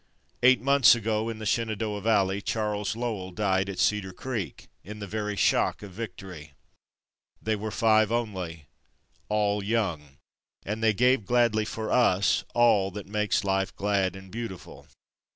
Eight months ago, in the Shenandoah Valley, Charles Lowell died at Cedar Creek, in the very shock of victory. They were five only, all young, and they gave gladly for us all that makes life glad and beautiful.